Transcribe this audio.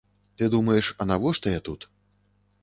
Ты думаеш, а навошта я тут?